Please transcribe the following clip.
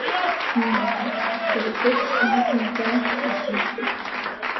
Зніметься, полетить і не знайде, де сісти.